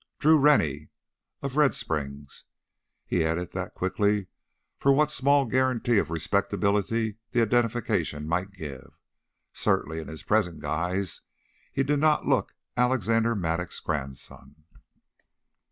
Drew Rennie, of Red Springs." He added that quickly for what small guarantee of respectability the identification might give. Certainly in his present guise he did not look Alexander Mattock's grandson.